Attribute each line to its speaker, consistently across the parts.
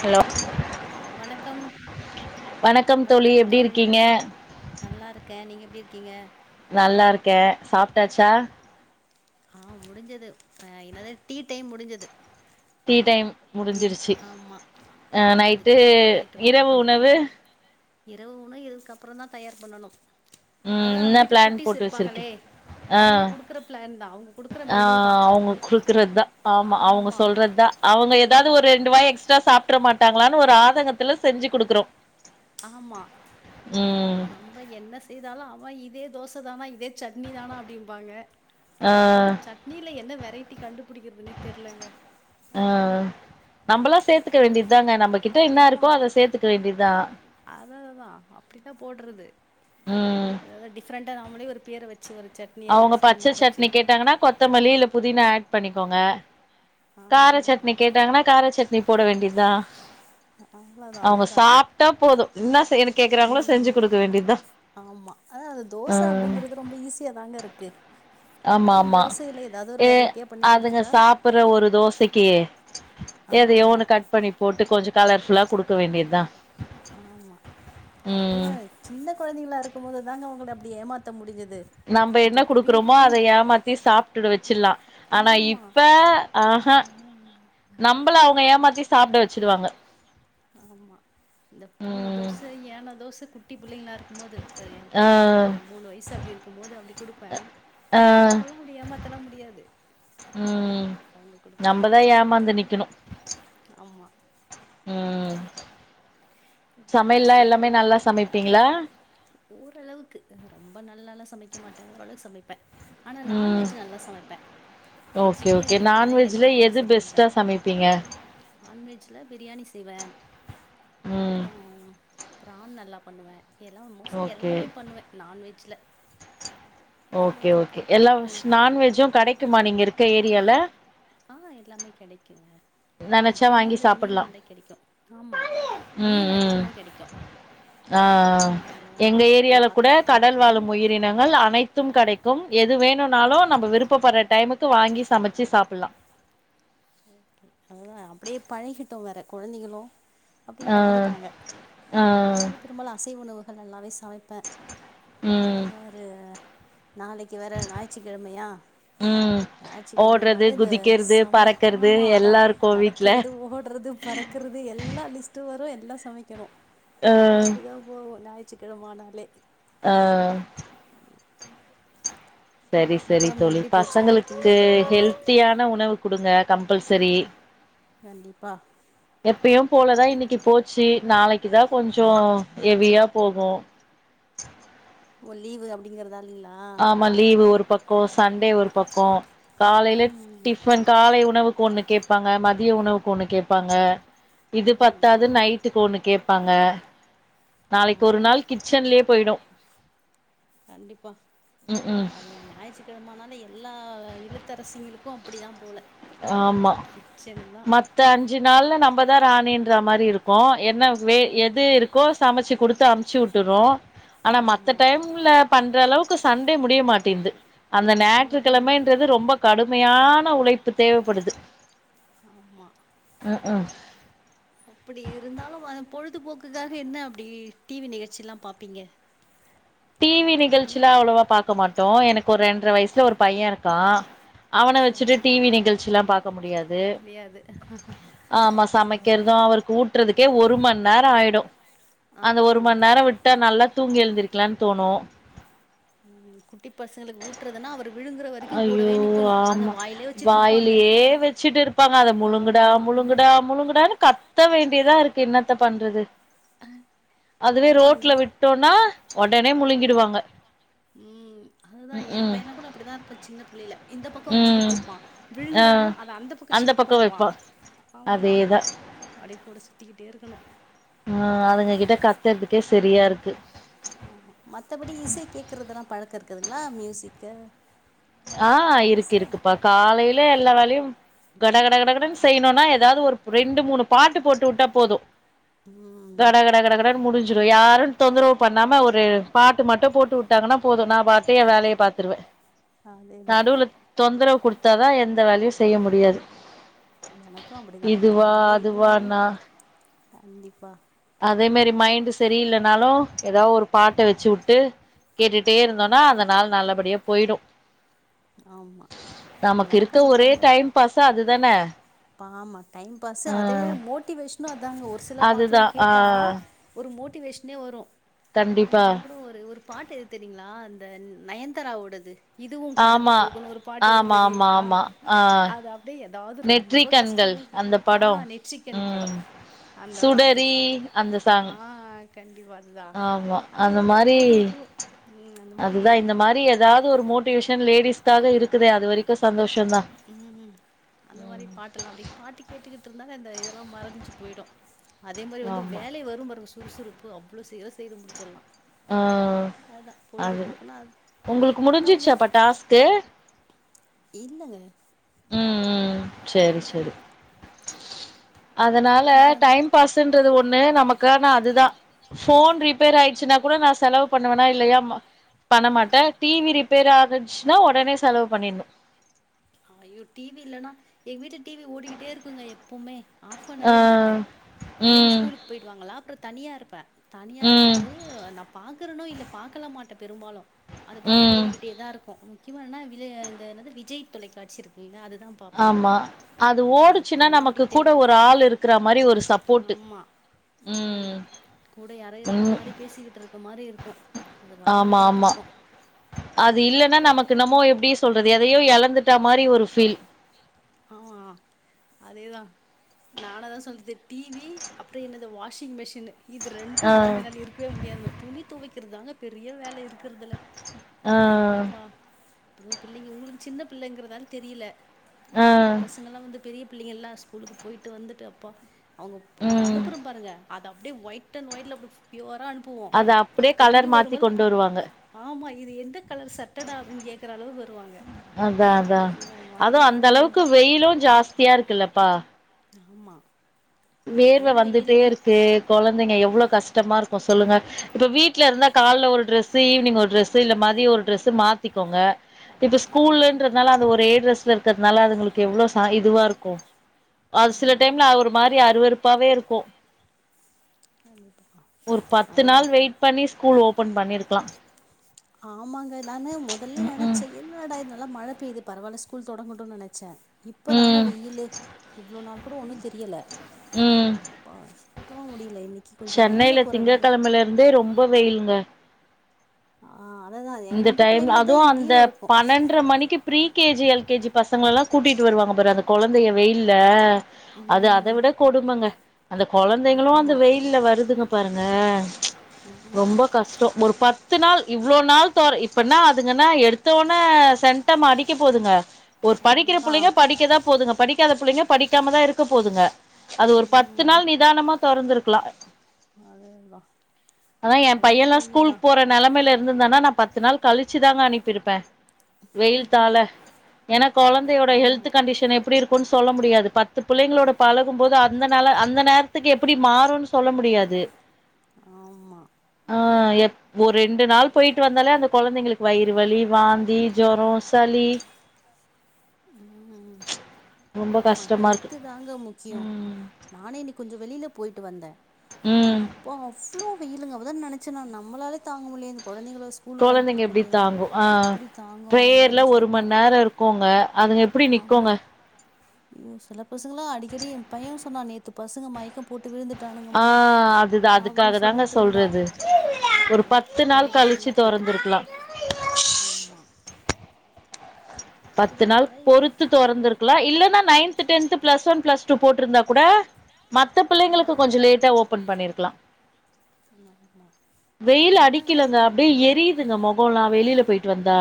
Speaker 1: Hello
Speaker 2: வணக்கம்
Speaker 1: வணக்கம் தோழி எப்டி இருக்கீங்க
Speaker 2: நல்லாருக்கே நீங்க எப்டி இருக்கீங்க
Speaker 1: நல்லாருக்கே சாப்ட்டாச்சா
Speaker 2: ஆ முடிஞ்சுது அ என்னது டீ டைம் முடிஞ்சுது
Speaker 1: டீ டைம் முடிஞ்சிருச்சு
Speaker 2: ஆமா
Speaker 1: அ
Speaker 2: ஆமா
Speaker 1: நைட்டு
Speaker 2: இதுக்கப்புறம் தான் நைட்டு
Speaker 1: இரவு
Speaker 2: பார்க்கணும்
Speaker 1: உணவு
Speaker 2: இரவு உணவு இதுக்கப்றோ தா தயார் பண்ணனு
Speaker 1: ம்
Speaker 2: அதா நம்ம
Speaker 1: என்ன
Speaker 2: வீட்ல
Speaker 1: பிளான்
Speaker 2: குட்டீஸ்
Speaker 1: போட்டு வச்சிருக்கி
Speaker 2: இருப்பாங்களே
Speaker 1: ஆ
Speaker 2: அவுங்க குடுக்குற பிளான் தா அவுங்
Speaker 1: ஆ அவுங்க குடுக்றதா ஆமா அவங்க சொல்றதா அவுங்க எ தாவது ஒரு ரெண்டு வாய் எக்ஸ்ட்ரா சாப்ட மாட்றாகளான்னு ஒரு ஆதங்கத்துல செஞ்சு குடுக்குறோ
Speaker 2: ஆமா
Speaker 1: ம்
Speaker 2: நம் ம்ம என்ன செய்தாலு அம்மா இதே தோச தானா இதே சட்னி தானா அப்டிம்பாங்க
Speaker 1: ஆ
Speaker 2: ஆனா சட்னில என்ன வெரைட்டி கண்டுபுடிக்கறதுன்னே தெர்லங்க
Speaker 1: ஆ நம்பளா சேத்துக்க
Speaker 2: எவ்வளவு
Speaker 1: வேண்டிதுதாங்க நம்மகிட்ட என்ன
Speaker 2: அதுதா
Speaker 1: இருக்கோ அத சேத்துக்க வேண்டிதா
Speaker 2: அதா அதா அப்டிதா போட்றது
Speaker 1: ம்
Speaker 2: எதா டிஃப்ரெண்டா நாமளே ஒரு பேர வச்ச ச்சு ஒரு சட்னிய மிக்ஸ் பண்ணி அரச்சி
Speaker 1: டாங்கனா கொத் கொத்தமல்லி இல்ல புதினா ஆட் பண்ணிக்கோங்க
Speaker 2: ஆ
Speaker 1: கார சட்னி கேட்டாங்கன்னா கார சட்னி போட வேண்டியதா
Speaker 2: அவ்ளோதா
Speaker 1: அவுங்க
Speaker 2: அதேதா
Speaker 1: சாப் டா போதும் ன்னா செய்யரத்
Speaker 2: ம் ஆமா அதா அது தோசை அப்டிங்கறது ரொம்ப ஈஸியா தாங்க இருக்கு
Speaker 1: ஆமா
Speaker 2: அது
Speaker 1: ஆமா
Speaker 2: தோசை இல்ல ஏதாவ்து ஒரு வெரைட்டியா பண்ணி குடுத்துட்டா
Speaker 1: அப்புற ஒரு தோசைக்கி எதையோ
Speaker 2: ஆமா
Speaker 1: ஒன்னு கட் பண்ணி போட்டு கொஞ்சொ கலர்ஃபுல்லா குடுக்க வேண்டியதா
Speaker 2: ஆமா அது
Speaker 1: ம்
Speaker 2: சின்ன கொழந்தைங்களா இருக்கும் போது தாங்க அவுங்கள அப்டி ஏமாத்த முடிஞ்சுது
Speaker 1: நம்ப என்ன குடுக்குறோமோ அத ஏமாத்தி சாப்டுட வெச்சில்லா ஆனா இப்ப ஆஹா
Speaker 2: ம் அ
Speaker 1: நம்பள அவுங்க ஏமாத்தி சாப்ட வச்சிடுவாங்க
Speaker 2: ஆமா இந்த பூன
Speaker 1: ம்
Speaker 2: தோச ஏன தோச குட்டி புள்ளைங்களா இருக்கும் போது சரி என்
Speaker 1: ஆ
Speaker 2: பையென்ல்லா ஒரு மூணு வயசு அப்டி இருக்கும் போது அப்டி குடுப்ப
Speaker 1: ஆ
Speaker 2: இப்பல்லா அப்டி ஏமாத்தெல்லா முடியாது
Speaker 1: ம்
Speaker 2: அவங்க குடுக்குற
Speaker 1: நம்பதா
Speaker 2: மெனுதா
Speaker 1: ஏமாந்து நிக்கிணு
Speaker 2: ஆமா
Speaker 1: ம்
Speaker 2: அப்றோ
Speaker 1: சமையல்லா
Speaker 2: சிஸ்டர்
Speaker 1: எல்லாமே நல்லா
Speaker 2: எப்டி
Speaker 1: சமைப்பீங்ளா
Speaker 2: ஓரளவுக்கு ரொம்ப நல்லாலா சமைக்க மாட்டே ஓரளவுக்கு சமைப்பே ஆனா
Speaker 1: ம்
Speaker 2: நான்வெஜ் நல்லா சமைப்பே
Speaker 1: ஓகே ஓகே
Speaker 2: வெஜிடேரியன் தா
Speaker 1: நான்வெஜ்ல
Speaker 2: எனக்கு கொஞ்ச
Speaker 1: எது
Speaker 2: சரியா
Speaker 1: பெஸ்ட்டா
Speaker 2: வராது
Speaker 1: சமைப்பீங்க
Speaker 2: நான்வெஜ்ல பிரியாணி செய்வ
Speaker 1: ம்
Speaker 2: அப்புறோ அப்ப்ரானண நல்லா பண்ணுவே எல்லா மோஸ்ட்லி
Speaker 1: ஓகே
Speaker 2: எல்லாமே பண்ணுவே நான் வெஜ்ல
Speaker 1: ஓகே ஓகே எல்லாவஸ் நான்வெஜ்ஜுங் கெடைக்குமா நீங்க இருக்க ஏரியால
Speaker 2: ஆ எல்லாமே கெடைக்குங்க
Speaker 1: நெனச்சா
Speaker 2: முக்கியமா
Speaker 1: வாங்கி
Speaker 2: வந்து மீன்
Speaker 1: சாப்புட்லா
Speaker 2: நல்ல கெடைக்கூ ஆமா
Speaker 1: ம்
Speaker 2: மீன்
Speaker 1: ம்
Speaker 2: அதிகமா கெடைக்கூ
Speaker 1: ஆ ஆ எங்க
Speaker 2: மார்க்கெட் இங்க
Speaker 1: ஏரியால கூட
Speaker 2: பக்கத்துல
Speaker 1: கடல்
Speaker 2: இருக்கு
Speaker 1: வாழும் உயிரின னங்கள் அனைத்தும் கடைக்கும் எது வேணுனாலு நம்ப விருப்பப்பட்ற டைமுக்கு வாங்கி சமச்சி சாப்புலா
Speaker 2: ஓகே அதுதா அப்டியே பழகிட்டோ வேற கொழந்தைகளு அப்டி
Speaker 1: ஆ
Speaker 2: பழகிட்டாங்க
Speaker 1: ஆ
Speaker 2: அத பெரும்பாலு அசைவ் உணவுகள் நல்லாவே சமைப்பே
Speaker 1: ம்
Speaker 2: அது ஒரு நாளைக் க்கி வேற ஞாயிற்றுக்கிழமையா
Speaker 1: ம் ஓடுறது
Speaker 2: ஞாயிற்றுக்கிழமைனாலே இந்த
Speaker 1: குதிக்கிறது
Speaker 2: சமையல்
Speaker 1: பறக்கறது
Speaker 2: ஆமா அதா
Speaker 1: எல்லா இருக்கு வீட்ல
Speaker 2: நடக்கறது ஓடுறது பறக்கறது எல்லா லிஸ்ட்டு வரு எல்லா சமைக்கணு
Speaker 1: அ
Speaker 2: அப்டி தா போவு ஞாயிற்றுக்கிழம ஆனாலே
Speaker 1: ஆ
Speaker 2: அ அப்டி
Speaker 1: சரி சரி
Speaker 2: அப்புறம்
Speaker 1: தோழி
Speaker 2: எப்படி போச்சு உங்களுக்கு
Speaker 1: பசங்களுக்கு
Speaker 2: இன்றைக்கி ஒரு நாள்
Speaker 1: ஹெல்த்தியான உணவு குடுங்க கம்பல்சரி
Speaker 2: கண்டிப்பா
Speaker 1: எப்பயும் போலதா இன்னிக்கி போச்சி நாளைக்கி தா கொஞ்சோ ஹெவியா போகு
Speaker 2: ஓ லீவு அப் அப்டிங்கிறதால்லிங்ளா
Speaker 1: ஆமா லீவு ஒரு பக்கம் சண்டே ஒரு பக்கம் காலைல
Speaker 2: ம்
Speaker 1: டிஃபன் காலை உணவுக்கு ஒண்ணு கேப்பாங்க மதிய உணவுக்கு ஒண்ணு கேப்பாங்க இது
Speaker 2: ம்
Speaker 1: பத்தாது
Speaker 2: ஆமாம்
Speaker 1: நைட் ட்டுக்கு ஒன்னு கேப்பாங்க நாளைக்கு ஒரு
Speaker 2: ஆமாம்
Speaker 1: நாள் கிச்சன்லயே போயிடும்
Speaker 2: கண்டிப்பா
Speaker 1: ம் ம்
Speaker 2: அது ஞாயிச்சு கிழுமனாலு எல்லா இல்லத்தரசிகளுக்கு அப்படி தா போல
Speaker 1: ஆமா
Speaker 2: கிச்சனு
Speaker 1: மத்த அஞ்சு நாள்ல நம்மதா ராணின்ற மாரி இருக் க் கு என்ன வே
Speaker 2: ம்
Speaker 1: எது இருக்கோ சமச்சு குடுத்து அனுப்ச்சு வுட்டுறோ ஆனா மத்த
Speaker 2: ஆமா
Speaker 1: டைம் ல பண்ற அளவுக்கு சண்டே முடிய மாட்டேன்து அந்த
Speaker 2: ம்
Speaker 1: ஞாயிற்றுக்கிழமன்றது ரொம்ப கடுமையான உழைப்பு தேவப்படுது
Speaker 2: ஆமா அப்படி இருந்தாலு அத பொழுதுபோக்குக்காக என்ன அப்படி டிவி நிகழ்ச்சி எல்லா பாப்பீங்க
Speaker 1: டிவி
Speaker 2: நீ
Speaker 1: நிகழ்ச்சிலா அவ்வளவா பாக்க மாட்டோம் எனக்கு ஒரு ரெண்டற வயசுல ஒரு பையன் இருக்கா அவன
Speaker 2: சரி
Speaker 1: வச்சுட்டு டிவி
Speaker 2: சரி
Speaker 1: நிகழ்ச்சில்லா பாக்க முடியாது
Speaker 2: முடியாது
Speaker 1: ஆமா சமைக்கிறது அவருக்கு ஊட்டுறதுக்கே ஒரு மண் நேரம் ஆயிடும்
Speaker 2: ஆ
Speaker 1: அந்த ஒரு மணி நேரம் விட்டா நல்லா தூங்கி எழுந்திருக்கலான் தோணும்
Speaker 2: உம் குட்டி பசங்களுக்கு ஊட்டுறதுன்னா ஒரு
Speaker 1: ஐய்யோ ஆமா
Speaker 2: வாயிலே வச்சுட்டு இருப்பாங்க
Speaker 1: வாய்லையே வச்சுட்டு இருப்பாங்க அத முழுங்குடா
Speaker 2: ஆமா
Speaker 1: முழுங்கு டா முழுங்குடான்னு கத்த வேண்டியதா இருக்கு என்னத்த பண்றது அதுவே
Speaker 2: ஆமாங்க
Speaker 1: ரோட்ல விட்டோன்னா ஒடனே
Speaker 2: ஆ
Speaker 1: முழுங்கிடுவாங்க
Speaker 2: ம் அதுதா என்
Speaker 1: ம்,
Speaker 2: பையன் கூட அப்படிதா இருப்பா சின்ன பிள்ளையில இந்த பக்கம்
Speaker 1: ம்.
Speaker 2: வச்சுக்கிட்டு இருப்பா
Speaker 1: ஆ
Speaker 2: விழுங்குடானா அத அந்த பக்கம் ஷிப்ட் பண்ணுவா
Speaker 1: அதேதா
Speaker 2: அப்டியே கூட சுத்திக்கிட்டே இருக்கணு
Speaker 1: ஆ அதுங்க கிட்ட கத்துறதுக்கே சரியா இருக்கு
Speaker 2: ஆமா மத்தபடி இசை கேக்குறதெல்லா பழக்கம் இருக்குதுங்களா மியூசிக்கு
Speaker 1: ஆ இருக்கு
Speaker 2: இசை?
Speaker 1: இருக்கு ப காலைல எல்லா வேலையு கட கட கட கடன்னு செய்யணும்னா ஏதாவது ஒரு ரெண்டு மூணு பாட்டு போட்டு வுட்டா போதும்
Speaker 2: ம்.
Speaker 1: கட கட கடகட முடிச்சு யாரும் தொந்தரவு பண்ணாம ஒரு பாட்டு மட்டும் போட்டு வுட்டாங்கன்னா போதும் நா பாட்டு என் வேலைய பாத்துருவே
Speaker 2: அதேதான்.
Speaker 1: நடுவுல தொந்தரவு குடுத்தாதா எந்த வேலயு செய்ய முடியாது
Speaker 2: எனக்கும் அப்டிதா
Speaker 1: இதுவா
Speaker 2: காலைல எழுந்து
Speaker 1: அதுவான்னா
Speaker 2: கண்டிப்பா
Speaker 1: அதே மாரி மைண்டு செரியில்லனாலு ஏதா ஒரு பாட்ட வச்சு விட்டு கேட்டுட்டே இருந்தோன்னா அந்த நாள் நல்லபடியா போயிடும்
Speaker 2: ஆமா.
Speaker 1: நமக்கு இருக்க
Speaker 2: எனக்கும்
Speaker 1: ஒரே
Speaker 2: அப்படிதாங்க.
Speaker 1: டைம் பாஸு அதுதான
Speaker 2: ஆமா டைம் பாஸு அதே மாரி மோட்டிவேஷனு அதாங்க ஒரு சில பாட்டுல்லா
Speaker 1: அதுதான் ஆ
Speaker 2: கேட்டா ஒரு மோட்டிவேஷ்னே வரும் அ
Speaker 1: கண்டிப்பா
Speaker 2: நம்பளு ஒரு ஒரு பாட்டு எது தெரியுங்களா இந்த நயன்தாரா ஓடது இதுவும் கடந்து
Speaker 1: ஆமா
Speaker 2: போகுன்னு ஒரு பாட்டு வரும்
Speaker 1: ஆமா ஆமா
Speaker 2: தெரியுங்களா
Speaker 1: ஆமா ஆ
Speaker 2: அது அப்டியே ஏதாது
Speaker 1: நெற்றி
Speaker 2: ரொம்ப
Speaker 1: கண்கள்
Speaker 2: கஷ்டமா இரு
Speaker 1: அந்த
Speaker 2: ஆ
Speaker 1: படோ
Speaker 2: நெற்றிகண்
Speaker 1: ம்
Speaker 2: படம் அந்த பாட்டு
Speaker 1: சுடரி அந்த சாங்
Speaker 2: ஆ கண்டிப்பா இதா
Speaker 1: ஆமா
Speaker 2: அது
Speaker 1: அந்த
Speaker 2: எப்பவாது
Speaker 1: மாரி
Speaker 2: போட்டு வுட்டுருவோ அந்த மாரி
Speaker 1: ஏதாது ஒரு மோட்டிவேஷன் லேடிஸ்காக இருக்குது அது வரைக்கும் சந்தோஷம் தா
Speaker 2: உஹும் அந்த மாரி பாட்டெல்லாம் அப்படி பாட்டு கேட்டுக்கிட்டு இருந்தாலே இந்த இதெல்லா மறஞ்சு போயிடும் அதே மாரி வந்து
Speaker 1: ஆமா
Speaker 2: வேலை வரும் பாருங்க சுறுசுறுப்பு அவ்வளோ ச செய்து முடிச்சிடலா
Speaker 1: ஆ
Speaker 2: ம் அதா
Speaker 1: அது
Speaker 2: பொழுதுபோக்குன்னா அ
Speaker 1: உங்களுக்கு
Speaker 2: படங்கள்
Speaker 1: முடிஞ்சிச்சாப்பா டாஸ்க்கு
Speaker 2: இல்லங்க
Speaker 1: ம் ம் செரி செரி அதனால
Speaker 2: அப்புற கொழந்த
Speaker 1: டைம் பாஸ்ன்றது ஒண்ணு நமக்கானா அதுதா ஃபோன் ரிப்பேர் ஆயிடுச்சுனா கூட நா செலவு பண்ணுவனா இல்லையா ம பண்ணமாட்ட டிவி ரிப்பேர் ஆகச்சுனா ஒடனே செலவு பண்ணிர்ன்னு
Speaker 2: ஆயோ டிவி இல்லனா எங்க வீட்ல டிவி ஓடிக்கிட்டே இருக்குங்க எப்பமே ஆஃப்
Speaker 1: ஆ
Speaker 2: பண்ணவே மாட்ட பிள்ளைங்க
Speaker 1: ம்
Speaker 2: ஸ்கூலுக்கு போயிடு வாங்கலா அப்றோ தனியாருப்பே தனியாருக்கம்
Speaker 1: ம்
Speaker 2: போது நா பாக்கறோனோ இல்ல பாக்கலா மாட்ட பெரும்பாலு அது பாட்டுக்கு
Speaker 1: ம்
Speaker 2: ஓடிக்கிட்டேதா இருக்கு முக்கியமா என்னா விஜய இந்த என்னது விஜய் தொலைக்காட்சி இருக்குல அதுதா பாப்பனே
Speaker 1: ஆமா
Speaker 2: நா அது
Speaker 1: ஓடுச்சுன்னா
Speaker 2: எப்பமே
Speaker 1: நமக்கு
Speaker 2: ஓடிக்கிட்டே
Speaker 1: கூட ஒரு ஆள் இருக்கிற மாரி ஒரு
Speaker 2: இருக்கு
Speaker 1: சப்போர்ட்டு
Speaker 2: ஆமா ம் கூட யாரோ இருக்க
Speaker 1: ம்
Speaker 2: மாரி பேசிக்கிட்டு இருக்க மாரி இருக்கு அது பாட்டுக்கு
Speaker 1: ஆமா
Speaker 2: ஓடிக்கிட்டு
Speaker 1: ஆமா
Speaker 2: இருக்கு
Speaker 1: அது இல்லன்னா நமக்கு
Speaker 2: அதுக்கப்புறோ
Speaker 1: என்னமோ எப்டி சொல்றது எதையோ எழந்துட்டா மாரி ஒரு ஃபீல்
Speaker 2: ஆ அதேதா நானாதா சொல்றது டிவி அப்றோ என்னது வாஷிங் மிஷுனு இது ரெண்டு
Speaker 1: ஆ
Speaker 2: இல்லாம என்னால இருக்கவே முடியாதுங்க துணி துவைக்கறதாங்க பெரிய வேல இருக்கறதுல
Speaker 1: ஆ
Speaker 2: அப்பப்பப்பா அதுவு பிள்ளைங்க உங்களுக் சின்ன பிள்ளைங்கறதால தெரில
Speaker 1: ஆ
Speaker 2: பசங்கலா வந்து பெரிய பிள்ளைங்கள்லா ஸ்கூலுக்கு போய்ட்டு வந்துட்டு அப்பா அவங்க நம்ம
Speaker 1: ம்
Speaker 2: அனுப்புறோ பாருங்க அது அப்டியே ஒயிட் அண்ட் ஒயிட்ல அப்டி பியூரா அனுப்புவோ
Speaker 1: அது அப்டியே கலர்
Speaker 2: திரும்பி
Speaker 1: மாத்தி
Speaker 2: வரும்போது
Speaker 1: கொண்டு வருவாங்க
Speaker 2: ஆமா இது எந்த கலர் சட்டடா அப்டின்னு கேட்குற அளவுக்கு வருவாங்க
Speaker 1: அதா அதா
Speaker 2: அந்த
Speaker 1: அதுவு
Speaker 2: மாதிரி
Speaker 1: அந்த
Speaker 2: வேலைகள்
Speaker 1: அளவுக்கு
Speaker 2: தான்.
Speaker 1: வெயிலு ஜாஸ்தியா இருக்குலப்பா
Speaker 2: ஆமா
Speaker 1: வேர்வ
Speaker 2: சரியான வெயிலுங்க
Speaker 1: வந்துட்டேருக்கு கொழந்தைங்க எவ்ளோ கஷ்டமா இருக்கு சொல்லுங்க இப்ப வீட்ல இருந்த கால்ல ஒரு ட்ரெஸ்சு ஈவினிங் ஒரு ட்ரெஸ் ஸு இந்த மாரி ஒரு ட்ரெஸ் மாத்திக்கோங்க இப்ப இந்த
Speaker 2: ஆமா
Speaker 1: ஸ்கூல்ன்ற றனால அது ஒரே ட்ரெஸ்லருக்கறதுனால அதுகளுக்கு எவ்ளோ ச இதுவாருக்கு அது சில
Speaker 2: ஆமா
Speaker 1: டைம்ல அவர் மாரி அறுவெறுப்பாவே இருக்கு
Speaker 2: கண்டிப்பா
Speaker 1: ஒரு பத்து
Speaker 2: அதுதா
Speaker 1: நாள் வெய் ட் பண்ணி ஸ்கூல் ஓபன் பண்ணிருக்கலா
Speaker 2: ஆமாங்க நானு மொதல்ல
Speaker 1: ம்
Speaker 2: நனச்ச
Speaker 1: ம்
Speaker 2: எ என்னடா இது நல்ல மழ பெய்து பரவால ஸ்கூல் தொடங்கட்டனு நெனச்ச இப்ப தாங்க
Speaker 1: ம்
Speaker 2: வெயிலே இவ்ளோ நாள் கூட ஒன்னு தெரில
Speaker 1: ம்
Speaker 2: ஆ பா தூங்க முடில இன்னைக்கி
Speaker 1: சென்னையில திங்க கெழமலருந்தே ரொம்ப வெயிலுங்க
Speaker 2: ஆ அததா
Speaker 1: இந்த
Speaker 2: எங்க
Speaker 1: டைம்ல
Speaker 2: கிளைமேட் தா
Speaker 1: அதுவு அந்த
Speaker 2: இங்கேயு இருக்கு
Speaker 1: பன்னெண்ற மணிக்கிப் pre K G L K G பசங்களெல்லா கூட்டிட்டு வருவங்க பாரு அந்த கொழந்தய வெயில்ல அது அத
Speaker 2: ம்
Speaker 1: விட கொடுமங்க அந்த கொழந்தைங்களு அந்த
Speaker 2: ஆமா
Speaker 1: வெயில்ல வருதுங்க பாருங்க
Speaker 2: ம்
Speaker 1: ரொம்ப கஷ்டோ ஒரு பத்து நாள் இவ்ளோ நாள் தா இப்பன்னா அதுங்கன்னா எடுத்தோன சென் டமா அடிக்க போதுங்க ஒரு படிக்கிற
Speaker 2: அதுதா
Speaker 1: புள்ளைங்க படிக்கதா போதுங்க படிக் படிக்காத புள்ளைங்க படிக்காமதா இருக்க போதுங்க அது ஒரு பத்து
Speaker 2: ம்
Speaker 1: நாள் நிதானமா தொறந்துருக்கலா
Speaker 2: அதேதா
Speaker 1: அதா எ பையெல்லா ஸ்கூலுக் போற நெலமைல இருந்துதிருந்தானா நா பத்து நாள் கலிச்சிதாங்க அனுப்பிருப்ப வெயில் தாழ ஏனா கொழந்தையோட ஹெல்த்து
Speaker 2: ஆமா
Speaker 1: கண்டிஷனு எப் ப்படி இருக்கோனு சொல்ல முடியாது பத்து புள்ளைங்களோட பலகும்போது அந்த நால அந்த நேர்த்துக்கு எ ப்படி மாறோனு சொல்ல முடியாது
Speaker 2: ஆமா
Speaker 1: ஆ எப் ஒரு ரெண்டு நாள் போய்ட்டு வந்தாலே அந்த கொழந்தைங்களுக்கு வயிறு வலி வாந்தி ஜொரோ சளி
Speaker 2: ம்
Speaker 1: ரொம்ப
Speaker 2: ஆமா
Speaker 1: கஷ்டமா இருக்கு
Speaker 2: ஹெல்த்து தாங்க முக்கியோ
Speaker 1: ம்
Speaker 2: நானே இன்னிக் கொஞ்சோ வெளில போய்ட்டு வந்த அ
Speaker 1: ம்
Speaker 2: ப்பா அவ்ளோ வெயிலுங்க அப்பத நெனச்ச நா நம்மாலாலே தாங்க முட்லியே இந்த கொழந்தைங்கல ஸ் கூலுக்கு
Speaker 1: கொழந்தைங்க எப்டி
Speaker 2: அனுப்பியிருக்கமே
Speaker 1: தாங்கு ஆ
Speaker 2: எப்படி தாங்கு அப்டின்
Speaker 1: பிரேயர்ல
Speaker 2: நெனச்ட்டு
Speaker 1: ஒரு
Speaker 2: வந்த
Speaker 1: மண் நேரோ இருக்குங்க அதுங்க எப்டி
Speaker 2: ஆமா
Speaker 1: நிக்குங்க
Speaker 2: யோ சில பசங்களா அடிகடி எ பைய சொன்னா நேத்து பசங்க மய்க்கம் போட்டு
Speaker 1: ஆ
Speaker 2: விழுந்துடானுங்கம்மா
Speaker 1: அதுதா
Speaker 2: அப்டி
Speaker 1: அதுக்காக தாங்க
Speaker 2: சொல்லிட்டுருந்தா
Speaker 1: சொல்றது
Speaker 2: ஆ
Speaker 1: ஒரு பத்து
Speaker 2: கேக்கவே
Speaker 1: நாள் கழிச்சு
Speaker 2: கஷ்டமா இருந்தது
Speaker 1: தொறந்துருக்கலா
Speaker 2: ஆமா
Speaker 1: பத்து
Speaker 2: அப்படியோ
Speaker 1: நாள்
Speaker 2: அதா
Speaker 1: பொறுத்து தொறந்திருக்லா இல்லனா ninth tenth plus one plus two போட்டுருந்தா கூட மத்த பிள்ளைங்களுக்கு கொஞ்சோ லேட்டா ஓபன் பண்ணிருக்கலா
Speaker 2: ஆமா
Speaker 1: வெயில்
Speaker 2: என்ன
Speaker 1: அடிக்கலங்க
Speaker 2: ஒண்ணு
Speaker 1: அப்டே எரியுதுங்க மொகோல்லா வெளியில போய்ட்டு வந்தா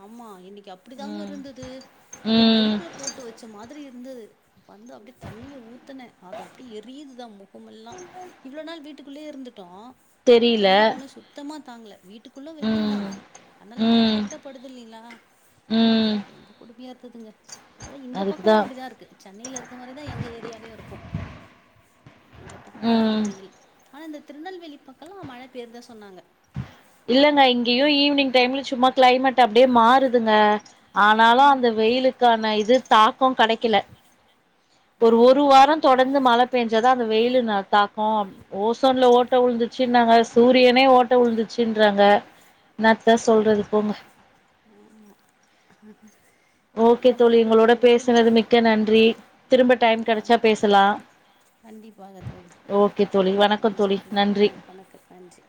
Speaker 2: ஆமா இன்னிக்கி அப்பிடி தாங்க
Speaker 1: ம்
Speaker 2: இருந்தது இத
Speaker 1: ம்
Speaker 2: நெருப் புல போட்டு வெச்ச மாதிரி இருந்தது வந்து அப்டி தண்ணிய ஊத்துன அது அப்டி எரியுதுதா மொ கோமெல்லா இவ்ளோ நாள் வீட்டுகுள்ளே இருந்துட்டோ
Speaker 1: தெரில
Speaker 2: வெளில போனா சுத்தமா தாங்கல வீட் டுக்குள்ள வெயில் தா
Speaker 1: ம்
Speaker 2: அனல்
Speaker 1: ம்
Speaker 2: டேரெக் ட்டா படுது இல்லீங்ளா அப்பா
Speaker 1: ம்
Speaker 2: ரொம்ப கொடுமியா இருந்ததுங்க அதா இந்த பக்கமு
Speaker 1: அதுக்குதா
Speaker 2: அப்படிதாருக்கு சென்னையில இருக்க மாரி தா எங்க ஏரியாலியு இருக்கு எங்க பக்குமு அப்டி தா
Speaker 1: ம்
Speaker 2: வெயில் ஆனா இந்த திருநெல்வேலி பக்கலா மழை பெய்ரதா சொன்னாங்க
Speaker 1: இல்லங்க இங்கியு ஈவினிங் டைம்ல சும்மா க்ளைமேட் அப்டியே மாறுதுங்க ஆனாலு அந்த
Speaker 2: ம்
Speaker 1: வெயிலுக்கான இது தாக்கோ கடைக்கில ஒரு ஒரு
Speaker 2: ஆமா
Speaker 1: வாரோ தொடந்து மழ பேஞ்சாதா அந்த வெயிலு ந தாக்கோ அப் ஓசோன்ல ஓட்ட உழுந்துரு ச்சினாங்க சூரியனே ஓட்ட உழுந்துச்சுன்றாங்க இன்னாத்த சொல்றது போங்க
Speaker 2: ஆமா
Speaker 1: ஓகே
Speaker 2: எல்லா
Speaker 1: தோழி உங்களோட
Speaker 2: மனிதர்கள் மாரியே
Speaker 1: பேசுனது
Speaker 2: மாறுது
Speaker 1: மிக்க நன்றி திரும்ப டைம்
Speaker 2: கண்டிப்பா
Speaker 1: கெடச்சா பேசலா
Speaker 2: கண்டிப்பாக தோழி
Speaker 1: ஓகே தோழி வ
Speaker 2: நன்றி ம் ந வணக்கம் நன்றி